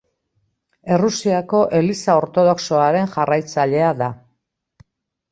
Errusiako Eliza ortodoxoaren jarraitzailea da.